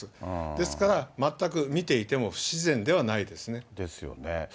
ですから全く、見ていても不自然ではないですね。ですよね。